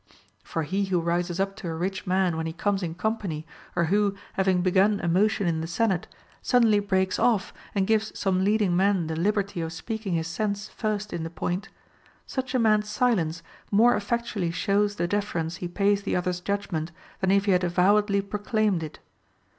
For he who rises up to a rich man when he comes in company, or who, having begun a motion in the Senate, suddenly breaks off and gives some leading man the liberty of speaking his sense first in the point, such a mans silence more effectually shows the deference he pays the other's judgment than if he had avowedly pro claimed it.